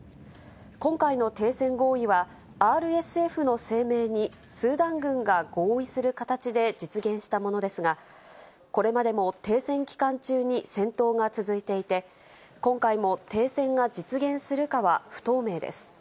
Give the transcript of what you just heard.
今回の停戦合意は、ＲＳＦの声明に、スーダン軍が合意する形で実現したものですが、これまでも停戦期間中に戦闘が続いていて、今回も停戦が実現するかは不透明です。